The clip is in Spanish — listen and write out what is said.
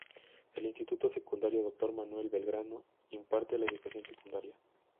El Instituto Secundario Doctor Manuel Belgrano imparte la educación secundaria.